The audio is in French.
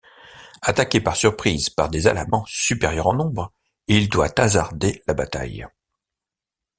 Attaqué par surprise par des Alamans supérieurs en nombre, il doit hasarder la bataille.